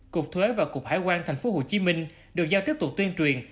cục thuế và cục hải quan tp hcm được giao tiếp tục tuyên truyền